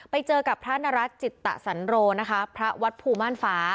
ไปเจอกับพระนรัฐจิตสันโรนะคะพระวัดภูม่านฟ้า